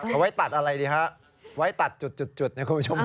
เอาไว้ตัดอะไรดีฮะไว้ตัดจุดนะคุณผู้ชม